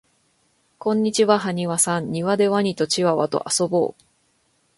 こんにちははにわさんにわでワニとチワワとあそぼう